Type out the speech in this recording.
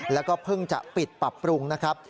แล้วก็เพิ่งจะปิดปรับปรุงนะครับ